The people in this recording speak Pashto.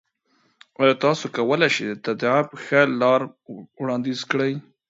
ایا تاسو کولی شئ د طبیعت ښه لار وړاندیز کړئ؟